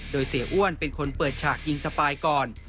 โดยเสียอ้วนเป็นคนเปิดฉากยิงสปายก่อน